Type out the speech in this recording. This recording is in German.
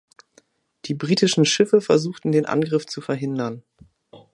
Die britischen Schiffe versuchten den Angriff zu verhindern.